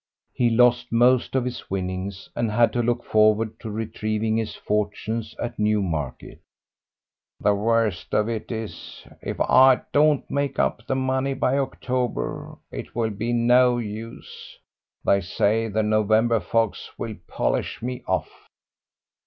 He lost most of his winnings, and had to look forward to retrieving his fortunes at Newmarket. "The worst of it is, if I don't make up the money by October, it will be no use. They say the November fogs will polish me off."